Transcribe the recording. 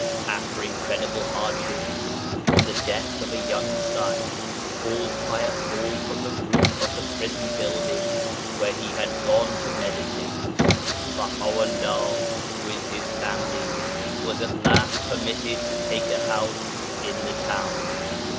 After incredible hardships, and the death of a young son caused by a fall from the roof of the prison building where he had gone to meditate, Baha' u' llah, with his family, was at last permitted to take a house in the town.